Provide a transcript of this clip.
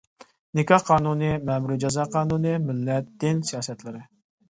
نىكاھ قانۇنى، مەمۇرى جازا قانۇنى، مىللەت، دىن سىياسەتلىرى.